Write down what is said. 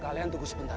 kalian tunggu sebentar